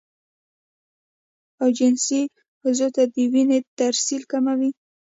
او جنسي عضو ته د وينې ترسيل کموي